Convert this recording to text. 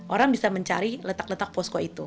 orang bisa mencari letak letak posko itu